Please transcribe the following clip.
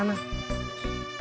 jangan jangan jangan